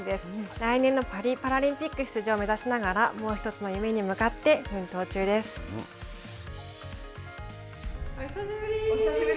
来年のパリパラリンピック出場を目指しながらもうひとつの夢に向かって奮闘中久しぶり。